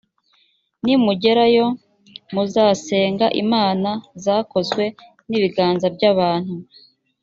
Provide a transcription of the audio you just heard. nimugerayo, muzasenga imana zakozwe n’ibiganza by’abantu